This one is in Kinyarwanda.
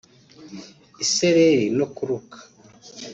Isereri no kuruka